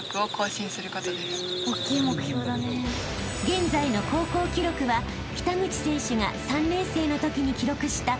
［現在の高校記録は北口選手が３年生のときに記録した］